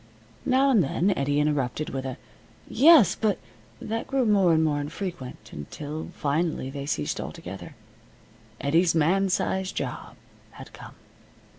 Now and then Eddie interrupted with a, "Yes, but " that grew more and more infrequent, until finally they ceased altogether. Eddie's man size job had come.